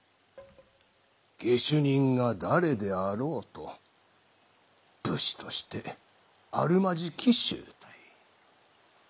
下手人が誰であろうと武士としてあるまじき醜態。